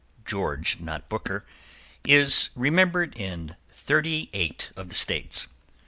= (George, not Booker), is remembered by thirty eight of the States.